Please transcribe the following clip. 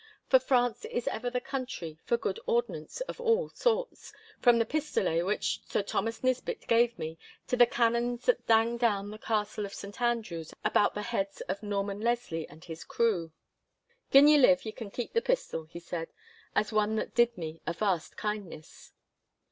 For France is ever the country for good ordnance of all sorts—from the pistolet which Sir Thomas Nisbett gave me to the cannons that dang down the Castle of Saint Andrews about the heads of Normand Leslie and his crew. 'Gin ye live ye kin keep the pistol,' he said, as one that did me a vast kindness.